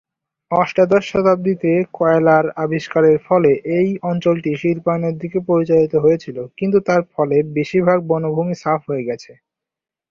অষ্টাদশ শতাব্দীতে কয়লার আবিষ্কারের ফলে এই অঞ্চলটি শিল্পায়নের দিকে পরিচালিত হয়েছিল কিন্তু তার ফলে বেশিরভাগ বনভূমি সাফ হয়ে গেছে।